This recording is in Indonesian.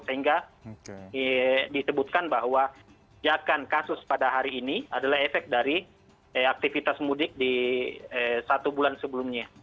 sehingga disebutkan bahwa jakan kasus pada hari ini adalah efek dari aktivitas mudik di satu bulan sebelumnya